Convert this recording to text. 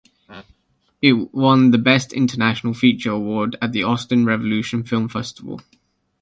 It won the Best International Feature award at the Austin Revolution Film Festival.